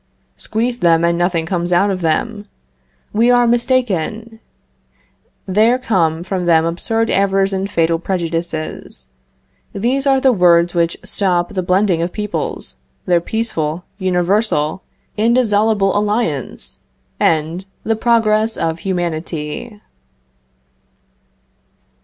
Squeeze them, and nothing comes out of them. We are mistaken; there come from them absurd errors and fatal prejudices. These are the words which stop the blending of peoples, their peaceful, universal, indissoluble alliance, and the progress of humanity.